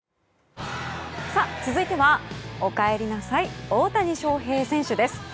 続いてはおかえりなさい大谷翔平選手です。